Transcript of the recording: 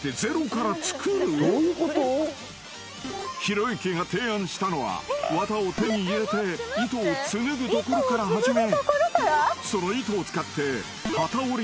［ひろゆきが提案したのは綿を手に入れて糸を紡ぐところから始めその］